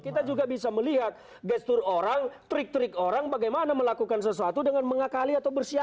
kita juga bisa melihat gestur orang trik trik orang bagaimana melakukan sesuatu dengan mengakali atau bersiap